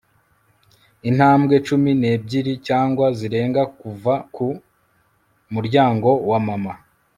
Intambwe cumi nebyiri cyangwa zirenga kuva ku muryango wa mama